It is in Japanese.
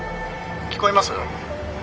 聞こえます？」